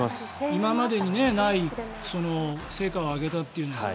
今までにない成果を上げたというのは。